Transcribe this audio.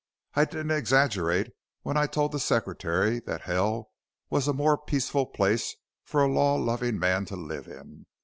I didn't exaggerate when I told the Secretary that hell was a more peaceful place for a law loving man to live in.